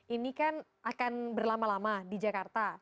ini kan akan berlama lama di jakarta